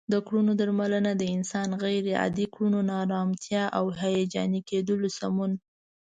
د کړنو درملنه د انسان غیر عادي کړنو، ناآرامتیا او هیجاني کیدلو سمون